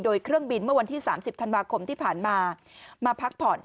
โดยเครื่องบินเมื่อวันที่๓๐ธันวาคมที่ผ่านมามาพักผ่อน